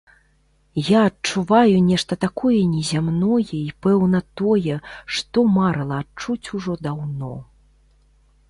Я адчуваю нешта такое незямное і, пэўна, тое, што марыла адчуць ужо даўно.